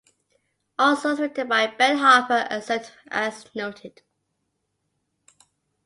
All songs written by Ben Harper except as noted.